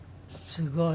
すごい。